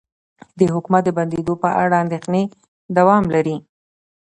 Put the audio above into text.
د حکومت د بندیدو په اړه اندیښنې دوام لري